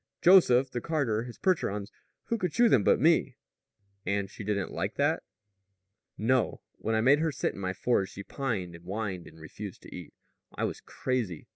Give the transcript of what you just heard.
Joseph the carter, his Percherons; who could shoe them but me?" "And she didn't like that?" "No. When I made her sit in my forge she pined and whined and refused to eat. I was crazy.